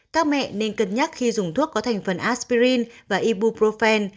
các mẹ nên cân nhắc khi dùng thuốc có thành phần aspirin và ibuprofen